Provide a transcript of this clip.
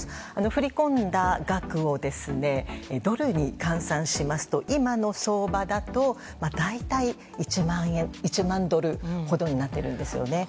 振り込んだ額をドルに換算しますと今の相場だと大体１万ドルほどになっているんですよね。